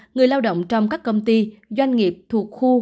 người lao động trong các công ty doanh nghiệp thuộc khu